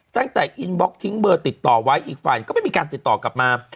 ตั้งแต่อินบล็อกทิ้งเบอร์ติดต่อไว้อีกฝ่ายก็ไม่มีการติดต่อกลับมา